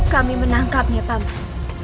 kami menangkapnya paman